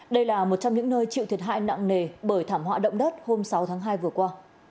đây là một trong những nơi chịu thiệt hại nặng nề bởi thảm họa động đất hôm sáu tháng hai vừa qua